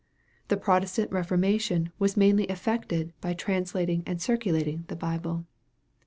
The Protestant Keformation was mainly effected by translating and circulating the Bible.